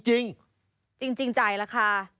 จริงจ่ายราคา